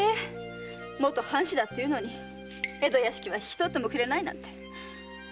もと藩士だというのに江戸屋敷は引き取ってもくれないなんて。